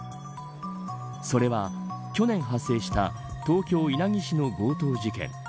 それは、去年発生した東京、稲城市の強盗事件。